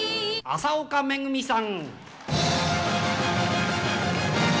麻丘めぐみさん。